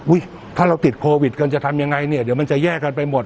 ถ้าเราติดโควิดกันจะทำยังไงเนี่ยเดี๋ยวมันจะแย่กันไปหมด